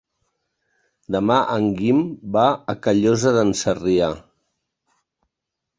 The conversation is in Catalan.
Demà en Guim va a Callosa d'en Sarrià.